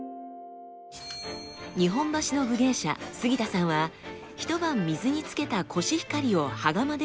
日本橋の武芸者杉田さんは一晩水につけたコシヒカリを羽釜で炊き上げます。